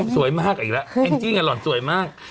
สวยมากอีกแล้วจริงอ่ะหล่อนสวยมาก